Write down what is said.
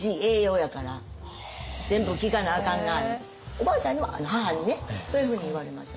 おばあちゃんには母にねそういうふうに言われましたね。